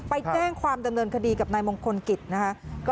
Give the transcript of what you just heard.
ไปแจ้งความดำเนินคดีกับนายมงคลกิจนะคะ